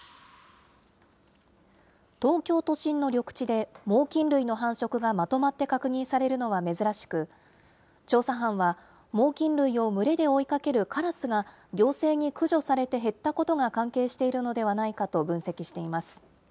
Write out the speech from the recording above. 東京都心の緑地で猛きん類の繁殖がまとまって確認されるのは珍しく、調査班は猛きん類を群れで追いかけるカラスが行政に駆除されて減ったことが関係しているのではないかと分析しています。